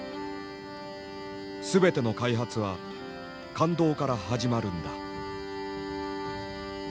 「全ての開発は感動から始まるんだ」。